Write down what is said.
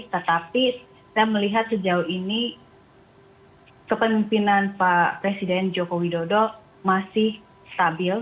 tetapi saya melihat sejauh ini kepemimpinan pak presiden joko widodo masih stabil